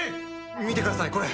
見てくださいこれ。